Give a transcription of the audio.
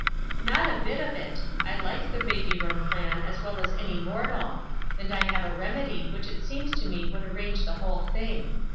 "Not a bit of it. I like the baby room plan as well as any mortal; and I have a remedy which it seems to me would arrange the whole thing.